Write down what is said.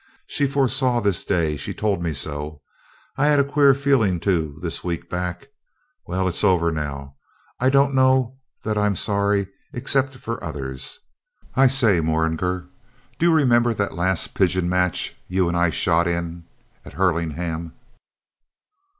She foresaw this day; she told me so. I've had a queer feeling too, this week back. Well, it's over now. I don't know that I'm sorry, except for others. I say, Morringer, do you remember the last pigeon match you and I shot in, at Hurlingham?'